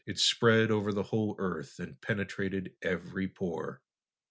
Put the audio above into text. It spread over the whole Earth and penetrated every pore.